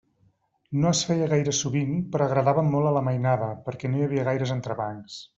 No es feia gaire sovint, però agradava molt a la mainada, perquè no hi havia gaires entrebancs.